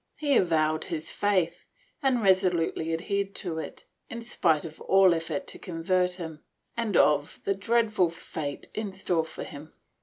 He avowed his faith and resolutely adhered to it, in spite of all effort to convert him and of the dreadful fate in store for him.